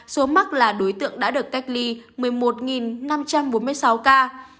số mắc là đối tượng đã được cách ly một mươi một năm trăm bốn mươi sáu ca